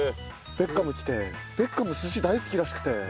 ベッカム来てベッカム寿司大好きらしくて。